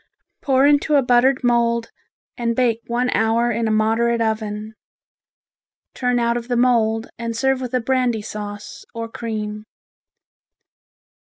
Pour into a buttered mould and bake one hour in a moderate oven. Turn out of the mould and serve with a brandy sauce, or cream.